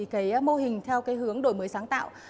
cái mô hình theo cái hướng đổi mới sáng tạo